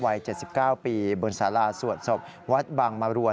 วัย๗๙ปีบนสาราสวดศพวัดบางมรวน